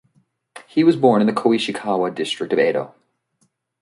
He was born in the Koishikawa district of Edo.